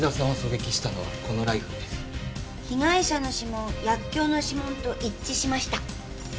被害者の指紋薬莢の指紋と一致しました。